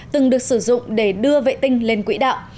từng được sử dụng để đưa vệ tinh lên quỹ đạo